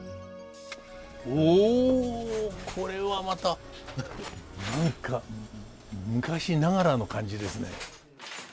おおこれはまた何か昔ながらの感じですね。